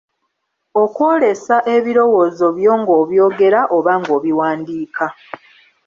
Okwolesa ebirowoozo byo ng'obyogera oba ng'obiwandika.